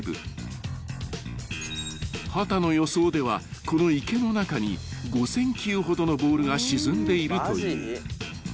［秦の予想ではこの池の中に５，０００球ほどのボールが沈んでいるという］